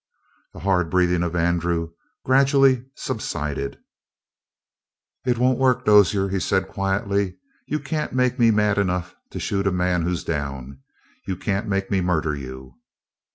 The hard breathing of Andrew gradually subsided. "It won't work, Dozier," he said quietly. "You can't make me mad enough to shoot a man who's down. You can't make me murder you."